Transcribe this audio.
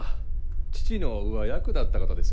父の上役だった方です。